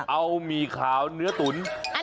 เอาหมี่ขาวเนื้อตุ๋น